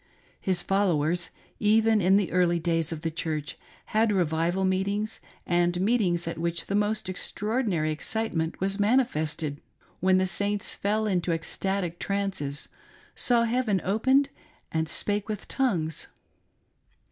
His followers, even in the early days of the church, had revival meetings and meetings at which the most extraordin. ary excitement was manifested, — when the Saints fell into ecstatic trances, saw heaven opened, and spake with tongues.